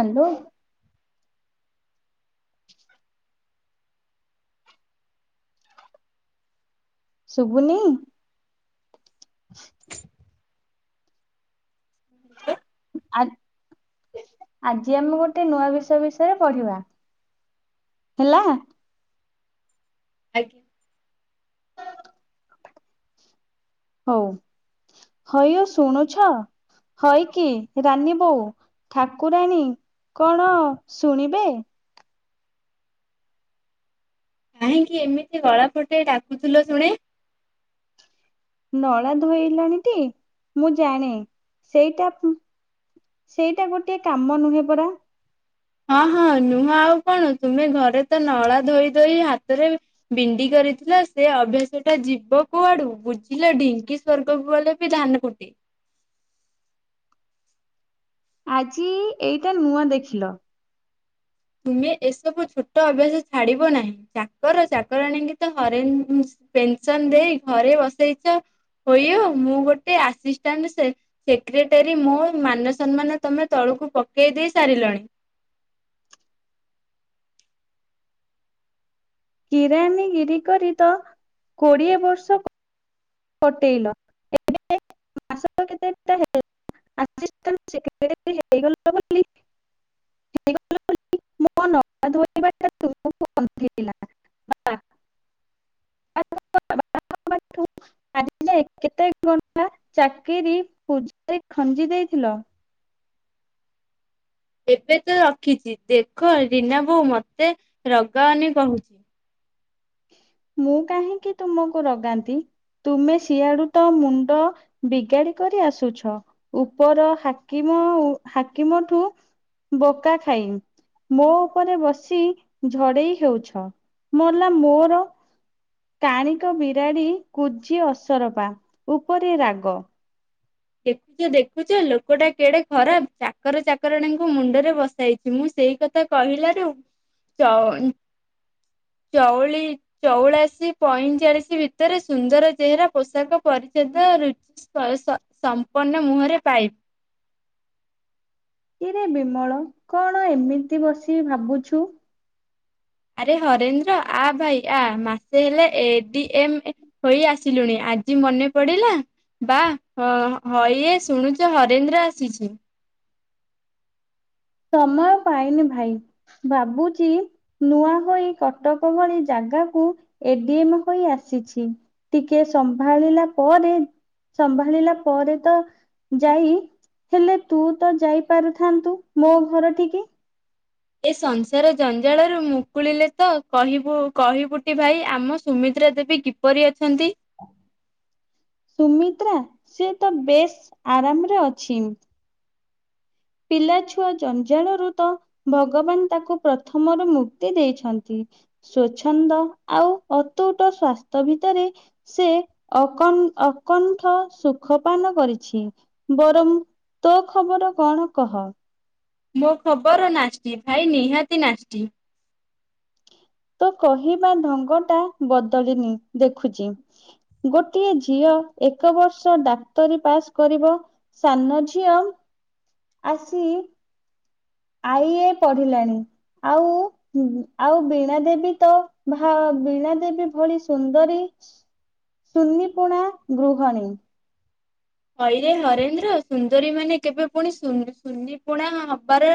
Hello. ଶୁବୁନି? ଆଜ୍ଞା ଆ ଆଜି ଆମେ ଗୋଟେ ନୂଆ ବିଷୟ ବିଷୟରେ ପଢ଼ିବା ହେଲା। ଆଜ୍ଞା। ହଉ ହଇଓ ଶୁଣୁଛ ହଇ କି ରାନୀ ବୋଉ ଠାକୁରାଣୀ କଣ ଶୁଣିବେ? କାହିଁକି ଏମିତି ଗଳା ଫଟେଇ ଡାକୁଥୁଲ ଶୁଣେ? ନଳା ଧୋଇଲାଣିଟି ମୁଁ ଜାଣେ ସେଇଟା ଉଁ ସେଇଟା ଗୋଟେ କାମ ନୁହେଁ ପରା। ହଁ ହଁ ନୁହଁ ଆଉ କଣ ତୁମେ ଘରେ ତ ନଳା ଧୋଇ ଧୋଇ ହାତରେ ବିଣ୍ଡି କରିଥିଲ ସେ ଅଭ୍ୟାସଟା ଯିବ କୁଆଡୁ ବୁଝିଲ ଢିଙ୍କି ସ୍ଵର୍ଗକୁ ଗଲେ ବି ଧାନ କୁଟେ। ଆଜି ଏଇଟା ନୂଆ ଦେଖିଲ। ତୁମେ ଏସବୁ ଛୋଟ ଅଭ୍ୟାସ ଛାଡ଼ିବ ନାହିଁ ଚାକର ଚାକରାଣୀଙ୍କି ତ ହରେନ୍ ପେନସନ ଦେଇ ଘରେ ବସେଇଛ। ହୋଇଅ ମୁଁ ଗୋଟେ ଆସିଷ୍ଟାଣ୍ଟ ସେକ୍ରେଟେରୀ ମୋ ମାନସମ୍ମାନ ତମେ ତଳୁକୁ ପକେଇ ଦେଇ ସାରିଲଣି। କିରାନୀଗିରି କରି ତ କୋଡିଏ ବର୍ଷ କଟେଇଲ ଏବେ [inaudible] ଆସିଷ୍ଟାଣ୍ଟ ସେକ୍ରେଟାରୀ ହେଇଗଲ ବୋଲି ହେଇଗଲ ବୋଲି ମୋ ନଳା ଧୋଇବାଟା ତୁମକୁ ଗନ୍ଧେଇଲା [inaudible] ଆଜି ଯାଏଁ କେତେ ଗଣ୍ଡା ଚାକିରି ପୂଜାରୀ ଖଞ୍ଜି ଦେଇଥିଲ? ଏବେ ତ ରଖିଚି ଦେଖ ରୀନା ବୋଉ ମତେ ରଗାଉନି କହୁଚି। ମୁଁ କାହିଁକି ତୁମକୁ ରଗାନ୍ତି ତୁମେ ଶିଆଡୁ ତ ମୁଣ୍ଡ ବିଗାଡ଼ି କରି ଆସୁଛ। ଉପର ହାକିମ ହାକିମଠୁ ବକା ଖାଇ ମୋ ଉପରେ ବସି ଝଡେଇ ହେଉଛ ମଲା ମୋର କାଣିକ ବିରାଡ଼ି କୁଜି ଅସରପା ଉପରେ ରାଗ। ଦେଖୁଚ ଦେଖୁଚ ଲୋକଟା କେଡେ ଖରାପ। ଚାକର ଚାକରାଣୀଙ୍କୁ ମୁଣ୍ଡରେ ବସାଇଛି ମୁଁ ସେଇ କଥା କହିଲାରୁ ଚ ଉଁ ଚଉଳି ଚଉଳାଶୀ ପଇଁଚାଳିଶ ଭିତରେ ସୁନ୍ଦର ଚେହେରା ପୋଷାକ ପରିଚ୍ଛଦ ରୁଚି ସମ୍ପର୍ଣ୍ଣ ମୁହଁରେ ପାଇ କିରେ ବିମଳ କଣ ଏମିତି ବସି ଭାବୁଛୁ? ଆରେ ହରେନ୍ଦ୍ର ଆ ଭାଇ ଆ ମାସେ ହେଲେ ଏ-ଡି-ଏମ ହୋଇ ଆସିଲୁଣି ଆଜି ମନେ ପଡିଲା ବା ହଇଏ ଶୁଣୁଛ ହରେନ୍ଦ୍ର ଆସିଛି‌। ସମୟ ପାଇନି ଭାଇ ଭାବୁଚି ନୂଆ ହୋଇ କଟକ ଭଳି ଜାଗାକୁ ଏ-ଡି-ଏମ ହୋଇ ଆସିଚି ଟିକେ ସମ୍ଭାଳିଲା ପରେ ସମ୍ଭାଳିଲା ପରେ ତ ଯାଇ ହେଲେ ତୁ ତ ଯାଇପାରୁଥାନ୍ତୁ। ମୋ ଘର ଠିକି‌ ଏ ସଂସାର ଜଞ୍ଜାଳରୁ ମୁକୁଳିଲେ ତ କହିବୁ କହିବୁଟି ଭାଇ। ଆମ ସୁମିତ୍ରା ଦେବୀ କିପରି ଅଛନ୍ତି? ସୁମିତ୍ରା ସେ ତ ବେଶ ଆରାମରେ ଅଛି। ପିଲା ଛୁଆ ଜଞ୍ଜାଳରୁ ତ ଭଗବାନ ତାକୁ ପ୍ରଥମରୁ ମୁକ୍ତି ଦେଇଛନ୍ତି। ସ୍ଵଚ୍ଛନ୍ଦ ଆଉ ଅତୁଟ ସ୍ବାସ୍ଥ୍ୟ ଭିତରେ ସେ ଅକ ଅକଣ୍ଠ ସୁଖପାନ କରିଛି ବରଂ ତୋ ଖବର କଣ? କହ‌। ମୋ ଖବର ନାସ୍ତି ଭାଇ ନିହାତି ନାସ୍ତି‌। ତ କହିବା ଢଙ୍ଗ ଟା ବଦଳିନି ଦେଖୁଛି ଗୋଟିଏ ଝିଅ ଏକ ବର୍ଷ ଡାକ୍ତରୀ ପାସ୍ କରିବ ସାନ ଝିଅ ଆସି ଆଇଏ ପଢିଲାଣି ଆଉ ଆଉ ବୀଣା ଦେବୀ ତ ବୀଣା ଦେବୀ ଭଳି ସୁନ୍ଦରୀ ସୁନି ପୁଣା ଗୃହଣୀ ହଇରେ ନରେନ୍ଦ୍ର ସୁନ୍ଦରୀ ମାନେ କେବେ ପୁଣି ସୁନି ପୁଣା ହବାର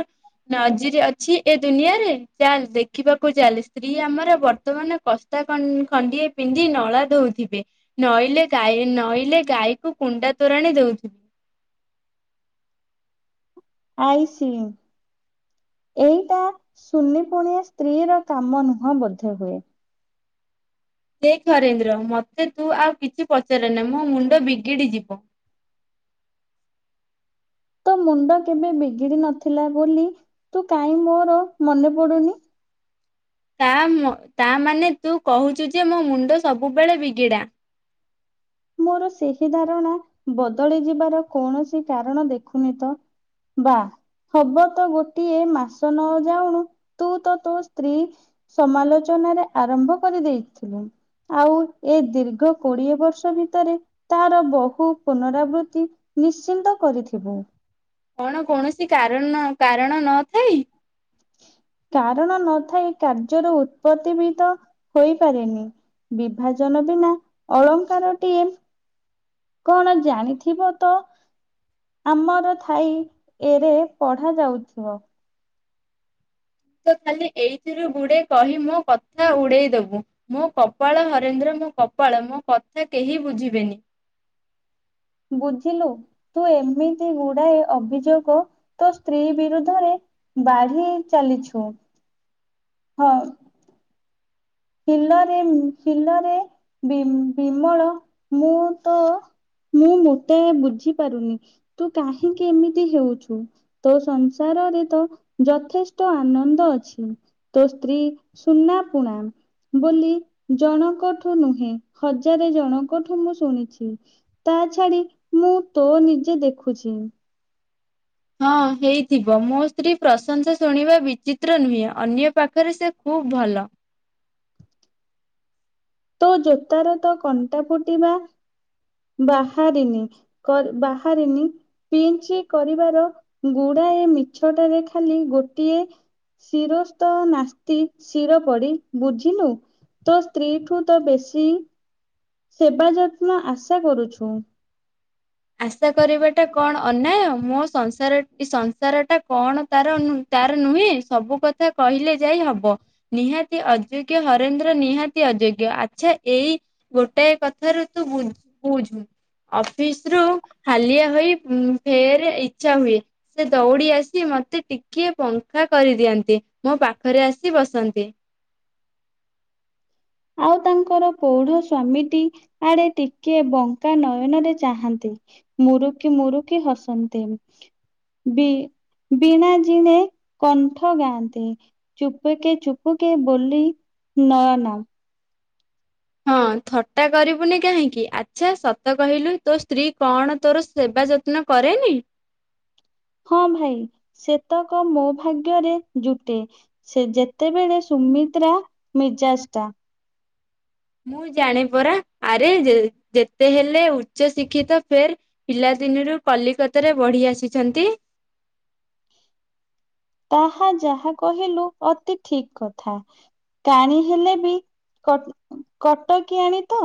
ନଜିର ଅଛି ଏ ଦୁନିଆରେ ଚାଲ ଦେଖିବାକୁ ଚାଲ ସ୍ତ୍ରୀ ଆମର ବର୍ତ୍ତମାନ କସ୍ତା ଖଣ୍ଡିଏ ପିନ୍ଧି ନଳା ଧୋଉଥିବେ ନଈଲେ ଗାଈ ନଈଲେ ଗାଈକୁ କୁଣ୍ଡା ତୋରାଣି ଦଉଥିବେ ଆଇ ସି ଏଇଟା ସୁନି ପୁଣିଆ ସ୍ତ୍ରୀ ର କାମ ନୁହଁ ବୋଧେ ହେ। ଦେଖ ନରେନ୍ଦ୍ର ମତେ ତୁ ଆଉ କିଛି ପଚାରେ ନା ମୋ ମୁଣ୍ଡ ବିଗିଡି ଯିବ ତୋ ମୁଣ୍ଡ କେବେ ବିଗିଡି ନଥିଲା ବୋଲି ତୁ କାହିଁ ମୋର ମନେ ପଡୁନି ତାମ ତମାନେ ତୁ କହୁଛୁ ଯେ ମୋ ମୁଣ୍ଡ ସବୁବେଳେ ବିଗିଡ଼ା ମୋର ସେହି ଧାରଣା ବଦଳି ଯିବାର କୌଣସି କାରଣ ଦେଖୁନି ତ ବା ହବ ତ ଗୋଟିଏ ମାସ ନ ଯାଉଣୁ ତୁ ତ ତୋ ସ୍ତ୍ରୀ ସମାଲୋଚନାରେ ଆରମ୍ଭ କରିଦେଇଥିଲୁ ଆଉ ଏ ଦୀର୍ଘ କୋଡିଏ ବର୍ଷ ଭିତ ତରେ ତାର ବହୁ ପୁନରାବୃତ୍ତି ନିଶ୍ଚିନ୍ତ କରିଥିବୁ କଣ କୌଣସି କାର କାରଣ ନଥାଇ କାରଣ ନଥାଇ କାର୍ଯ୍ୟରୁ ଉତ୍ପତ୍ତି ବିିତ ହୋଇପାରେନି ବିଭାଜନ ବିନା ଅଳଙ୍କାରଟିଏ କଣ ଜାଣିଥିବ ତ ଆମର ଥାଇ ଏରେ ପଢ ଯାଉଥିବ ତ ଖାଲି ଏଇଥିରୁ ଗୁଡେ କହି ମୋ କଥା ଉଡେଇଦବୁ ମୋ କପାଳ ହରେନ୍ଦ୍ର ମୋ କପାଳ ମୋ କଥା କେହି ବୁଝିବେନି ବୁଝିଲୁ ତୁ ଏମିତି ଗୁଡାଏ ଅଭିଯୋଗ ତୋ ସ୍ତ୍ରୀ ବିରୁଦ୍ଧରେ ବାଢି ଚାଲିଛୁ ହଁ। ହିନରେ ହିନରେ ବି ବିମଳ ମୁଁ ତ ମୁଁ ମୋତେ ବୁଝି ପାରୁନି ତୁ କାହିଁକି ଏମିତି ହେଉଛୁ ତୋ ସଂସାରରେ ତ ଯଥେଷ୍ଟ ଆନନ୍ଦ ଅଛି ତୋ ସ୍ତ୍ରୀ ସୁନା ପୁଣା ବୋଲି ଜଣଙ୍କଠୁ ନୁହେଁ ହଜାରେ ଜଣଙ୍କଠୁ ମୁଁ ଶୁଣିଛି ତା ଛାଡି ମୁଁ ତୋ ନିଜେ ଦେଖୁଛି ହଁ ହେଇଥିବ ମୋ ସ୍ତ୍ରୀ ପ୍ରଶଂସା ଶୁଣିବା ବିଚିତ୍ର ନୁହେଁ ଅନ୍ୟ ପାଖରେ ସେ ଖୁବ ଭଲ ତୋ ଜୋତାର ତ କଣ୍ଟା ଫୁଟିବା ବାହାରିନି ବାହାରିନି ପିଞ୍ଚି କରିବାର ଗୁଡାଏ ମିଛଟାରେ ଖାଲି ଗୋଟିଏ ଶିରସ୍ତ ନାସ୍ତି ଶିର ପଡି ବୁଝିନୁ ତୋ ସ୍ତ୍ରୀଠୁ ତ ବେଶୀ ସେବା ଯତ୍ନ ଆଶା କରୁଛୁ ଆଶା କରିବାଟା କଣ ଅନ୍ୟାୟ ମୋ ସଂସାର ସଂସାର ଟା କଣ ତାର ତାର ନୁହେଁ ସବୁ କଥା କହିଲେ ଯାଇ ହବ ନିହାତି ଅଯୋଗ୍ୟ ହରେନ୍ଦ୍ର ନିହାତି ଅଯୋଗ୍ୟ ଆଚ୍ଛା ଏଇ ଗୋଟାଏ କଥାରୁ ତୁ ବୁଝୁ ଅଫିସ ରୁ ହାଲିଆ ହୋଇ ଫେର ଇଚଛା ହୁଏ ସେ ଦୌଡ଼ି ଆସି ମତେ ଟିକିଏ ପଙ୍ଖା କରିଦିଅନ୍ତି ମୋ ପାଖରେ ଆସି ବସନ୍ତି ଆଉ ତାଙ୍କର ପୌଢ ସ୍ଵାମୀଟି ଆଡେ ଟିକିଏ ବଙ୍କା ନୟନରେ ଚାହାନ୍ତି ମୁରୁକି ମୁରୁକି ହସନ୍ତି ବି ବୀଣା ଜିଣେ କଣ୍ଠ ଗାଆନ୍ତି ଚୁପୁକେ ଚୁପୁକେ ବୋଲି ନୟନ ହଁ ଥଟ୍ଟା କରିବୁନି କାହିଁକି ଆଚ୍ଛା ସତ କହିଲୁ ତୋ ସ୍ତ୍ରୀ କଣ ତୋର ସେବା ଯତ୍ନ କରେନି? ହଁ ଭାଇ ସେତକ ମୋ ଭାଗ୍ୟରେ ଜୁଟେ ସେ ଯେତେବେଳେ ସୁମିତ୍ରା ମିର୍ଜାଷ୍ଟା ମୁଁ ଜାଣି ପରା ଆରେ ଯେତେ ହେଲେ ଉଚ୍ଚ ଶିକ୍ଷିତ ଫେର ପିଲାଦିନରୁ କଲିକତାରେ ବଢି ଆସିଛନ୍ତି। ତାହା ଯାହା କହିଲୁ ଅତି ଠିକ କଥା କାଣି ହେଲେ ବି କଟକି ଆଣି ତ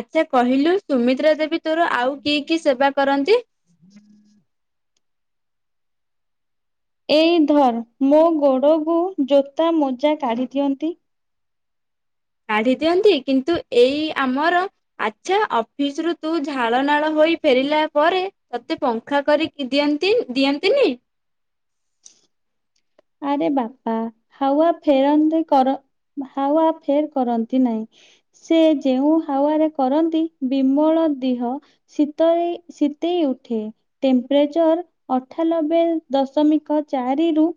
ଆଚ୍ଛା କହିଲୁ ସୁମିତ୍ରା ଦେବ ଭିତରୁ ଆଉ କି କି ସେବା କରନ୍ତି। [inaudible] ଏଇ ଧନ୍ ମୋ ଗୋଡକୁ ଜୋତା ମୋଜା କାଢ଼ିଦିଅନ୍ତି। କାଢି ଦିଅନ୍ତି କିନ୍ତୁ ଏଇ ଆମର ଆଚ୍ଛା ଅଫିସ ରୁ ତୁ ଝାଳ ନାଳ ହୋଇ ଫେରିଲା ପରେ ତତେ ପଙ୍ଖା କରିକି ଦିଅନ୍ତି ଦିଅନ୍ତିନି ଆରେ ବାପା ହାୱା ଫେରନ୍ତି କର ହାୱା ଫେର କରନ୍ତି ନାହିଁ ସେ ଯେଉଁ ହାୱାରେ କରନ୍ତି ବିମଳ ଦେହ ଶୀତରେ ଶୀତେଇ ଉଠେ ଟେମ୍ପରେଚର ଅଠାନବେ ଦଶମିକ ଚାରି ରୁ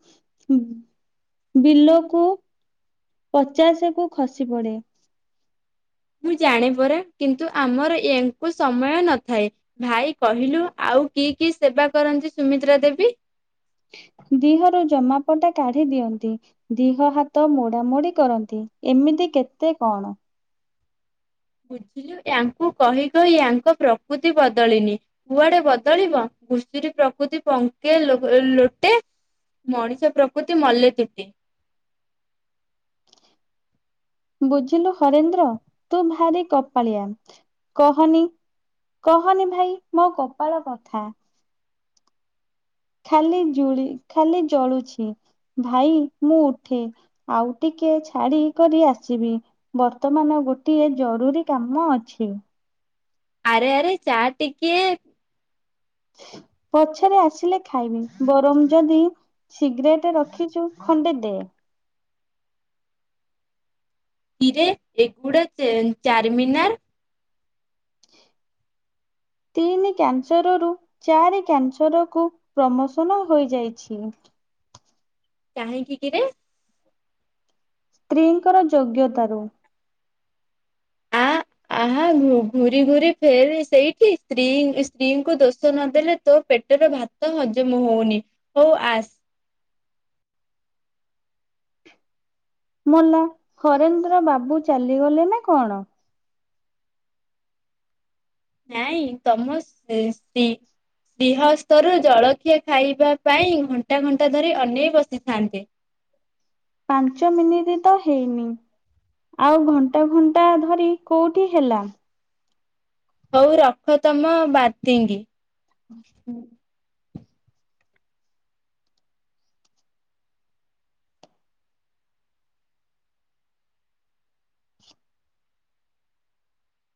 ବିଲକୁ ପଚାଶ କୁ ଖସି ପଡେ ମୁଁ ଜାଣେ ପରା କିନ୍ତୁ ଆମର ୟା ଙ୍କୁ ସମୟ ନଥାଏ ଭାଇ କହିଲୁ ଆଉ କି କି ସେବା କରନ୍ତି ସୁମିତ୍ରା ଦେବୀ ଦିହରୁ ଜମାପଟା କାଢି ଦିଅନ୍ତି ଦିହ ହାତ ମୋଡ଼ାମୋଡ଼ି କରନ୍ତି ଏମିତି କେତେ କଣ? ବୁଝିଲୁ ୟାଙ୍କୁ କହି କହି ୟାଙ୍କ ପ୍ରକୃତି ବଦଳିନି କୁଆଡେ ବଦଳିବ ଘୁଷୁରୀ ପ୍ରକୃତି ପଙ୍କେ ଲୋଟେ ମଣିଷ ପ୍ରକୃତି ମଲେତୁଟେ। ବୁଝିଲୁ ହରେନ୍ଦ୍ର ତୁ ଭାରି କପାଳିଆ କହନି କହନି ଭାଇ ମୋ କପାଳ କଥା ଖାଲି ଜୁଳି ଖାଲି ଜଳୁଛି ଭାଇ ମୁଁ ଉଠେ ଆଉ ଟିକେ ଛାଡି କରି ଆସିବି ବର୍ତ୍ତମାନ ଗୋଟିଏ ଜରୁରୀ କାମ ଅଛି। ଆରେ ଆରେ ଚାଟିିକେ ପଛରେ ଆସିଲେ ଖାଇବି ବରଂ ଯଦି ସିଗରେଟ ରଖିଛୁ ଖଣ୍ଡେ ଦେ ହୀରେ ଏଗୁଡା ଚାରମିନାର ତିନି କ୍ୟାନସରରୁ ଚାରି କ୍ୟାନସରକୁ ପ୍ରମୋସନ ହୋଇଯାଇଛି। କାହିଁକି କିରେ? ସ୍ତ୍ରୀଙ୍କର ଯୋଗ୍ୟତାରୁ। ଆ ଆ ଘୁରି ଘୁରି ଫେର ସେଇଠି ସ୍ତ୍ରୀ ସ୍ତ୍ରୀଙ୍କୁ ଦୋଷ ନଦେଲେ ତୋ ପେଟର ଭାତ ହଜମ ହଉନି ହଉ ଆସ ମଲା ହରେନ୍ଦ୍ର ବାବୁ ଚାଲିଗଲେ ନା କଣ? ନାଇଁ ତମ ଶ୍ରୀ ଶ୍ରୀହସ୍ତ ରୁ ଜଳଖିଆ ଖାଇବା ପାଇଁ ଘଣ୍ଟା ଘଣ୍ଟା ଧରି ଅନେଇ ବସିଥାନ୍ତେ। ପାଞ୍ଚ ମିନିଟ୍ ତ ହେଇନି ଆଉ ଘଣ୍ଟା ଘଣ୍ଟା ଧରି କୋଉଠି ହେଲା? ହଉ ରଖ ତମ ବାର୍ତ୍ତିଙ୍ଗି। ହୁଁ।